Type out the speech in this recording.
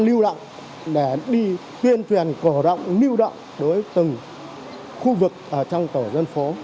lưu động để đi tuyên truyền cổ động lưu động đối với từng khu vực ở trong tổ dân phố